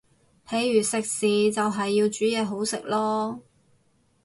譬如食肆就係要煮嘢好食囉